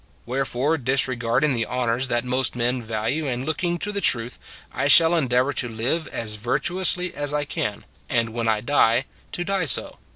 Wherefore, disregarding the honors that most men value, and looking to the truth, I shall endeavor to live as virtuously as I can; and when I die, to die so.